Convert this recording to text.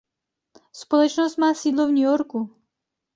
Společnost má sídlo v New Yorku.